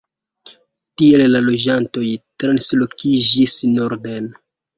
Tial la loĝantoj translokiĝis norden.